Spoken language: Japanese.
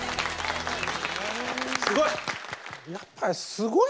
すごい！